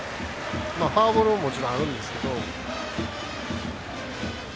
フォアボールももちろんあるんですけど。